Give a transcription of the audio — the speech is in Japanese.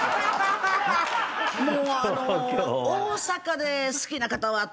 もうあの大阪で「好きな方は？」って。